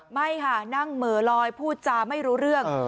ไม่ค่ะนั่งเหม่อลอยพูดจาไม่รู้เรื่อง